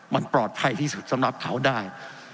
มันปลอดภัยที่สุดสำหรับเขาได้